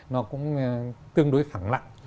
nó cũng tương đối phẳng lặng